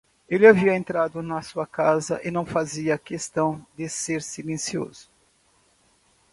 Ele havia entrado na sua casa e não fazia questão de ser silencioso.